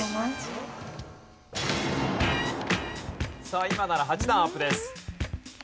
さあ今なら８段アップです。